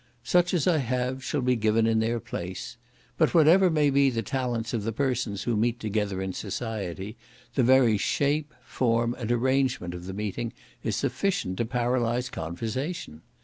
Such as I have, shall be given in their place. But, whatever may be the talents of the persons who meet together in society, the very shape, form, and arrangement of the meeting is sufficient to paralyze conversation.